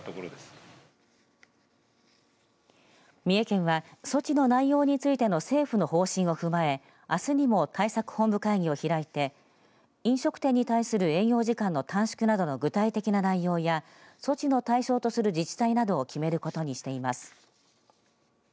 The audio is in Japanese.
三重県は措置の内容についての政府の方針を踏まえあすにも対策本部会議を開いて飲食店に対する営業時間の短縮などの具体的な内容や措置の対象とする自治体などを決めることにしています。